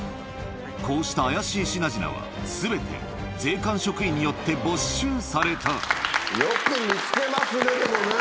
こうした怪しい品々は全て税関職員によって没収されたよく見つけますねでもね。